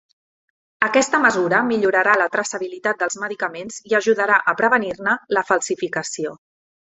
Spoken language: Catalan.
Aquesta mesura millorarà la traçabilitat dels medicaments i ajudarà a prevenir-ne la falsificació.